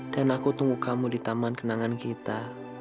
dan aku tunggu kamu di taman kenangan kita